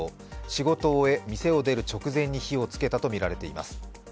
仕事を終え、店を出る直前に火をつけたとみられています。